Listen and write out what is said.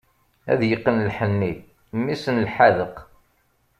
Ad yeqqen lḥenni, mmi-s n lḥadeq.